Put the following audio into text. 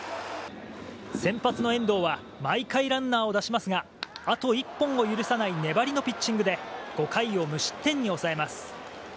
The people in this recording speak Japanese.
先発の遠藤は毎回ランナーを出しますがあと１本を許さない粘りのピッチングで５回を無失点に抑えます。